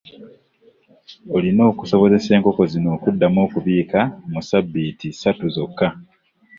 Olina okusobozesa enkoko zino okuddamu okubiika mu ssabbiiti ssatu zokka.